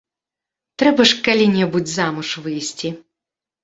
Трэба ж калі-небудзь замуж выйсці.